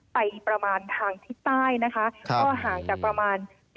ไปประมาณทางทิศใต้นะคะก็ห่างจากประมาณ